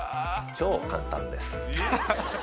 超簡単です